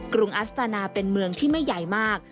รุงอัสตานาเป็นเมืองที่ไม่ใหญ่มาก